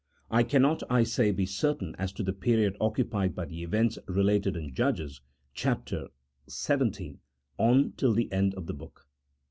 I cannot, I say, be certain as to the period occupied by the events related in Judges chap. xvii. on till the end of the book.